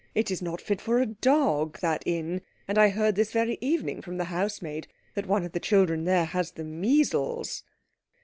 "It is not fit for a dog, that inn, and I heard this very evening from the housemaid that one of the children there has the measles."